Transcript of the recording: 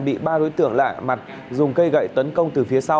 bị ba đối tượng lạ mặt dùng cây gậy tấn công từ phía sau